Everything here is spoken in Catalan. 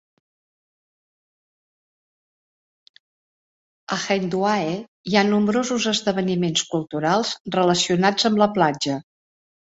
A Haeundae hi ha nombrosos esdeveniments culturals relacionats amb la platja.